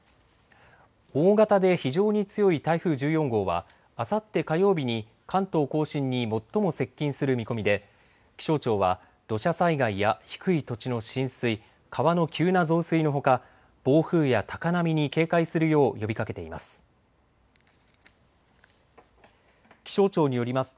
大型で非常に強い台風１４号はあさって火曜日に関東甲信に最も接近する見込みで気象庁は土砂災害や低い土地の浸水、川の急な増水のほか暴風や高波に警戒するよう呼びかけています。